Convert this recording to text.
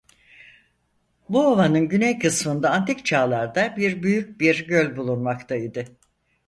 Bu ovanın güney kısmında antik çağlarda bir büyük bir göl bulunmakta idi.